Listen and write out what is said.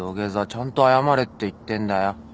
ちゃんと謝れって言ってんだよ。